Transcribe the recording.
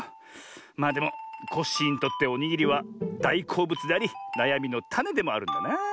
まあでもコッシーにとっておにぎりはだいこうぶつでありなやみのタネでもあるんだなあ。